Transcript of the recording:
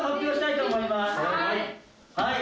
はい。